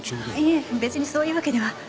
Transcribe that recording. いえ別にそういうわけでは。